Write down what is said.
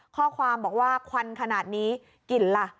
ข้อความบอกว่าควันขนาดนี้กลิ่นล่ะ